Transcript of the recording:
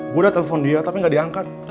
gue udah telepon dia tapi gak diangkat